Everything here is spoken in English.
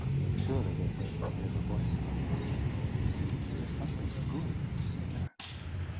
Surely they wait to hear the voice of a prophet. There is something good near!"